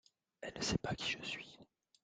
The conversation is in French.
elle ne sait pas qui je suis.